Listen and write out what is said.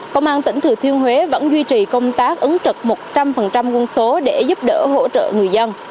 công an tỉnh thừa thiên huế vẫn duy trì công tác ứng trực một trăm linh quân số để giúp đỡ hỗ trợ người dân